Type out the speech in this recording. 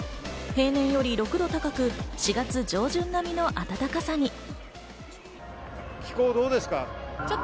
平年より６度高く、４月上旬並みの暖かさに。